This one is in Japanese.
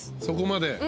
そこまで？